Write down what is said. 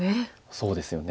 そうですよね。